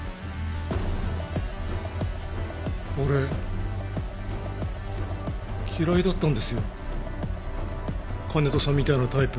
俺嫌いだったんですよ金戸さんみたいなタイプ。